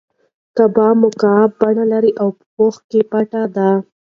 کعبه مکعب بڼه لري او په پوښ کې پټه ده.